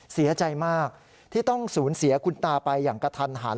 เสียใจมากที่ต้องสูญเสียคุณตาไปอย่างกระทันหัน